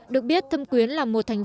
được biết thâm quyến là một thành phố